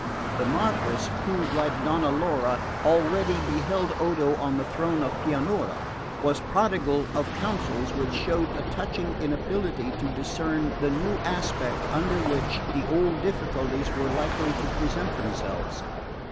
The Marquess, who, like Donna Laura, already beheld Odo on the throne of Pianura, was prodigal of counsels which showed a touching inability to discern the new aspect under which old difficulties were likely to present themselves.